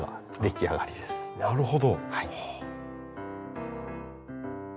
あなるほど。